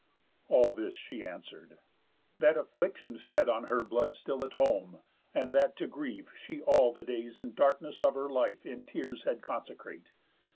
All this she answer'd: 'That affliction fed On her blood still at home, and that to grief She all the days and darkness of her life In tears had consecrate.